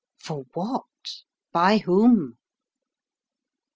For what? By whom?